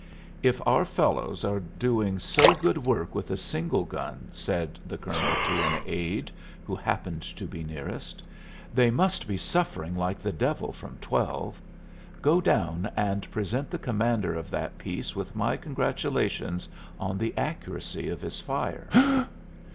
"If our fellows are doing so good work with a single gun," said the colonel to an aide who happened to be nearest, "they must be suffering like the devil from twelve. Go down and present the commander of that piece with my congratulations on the accuracy of his fire."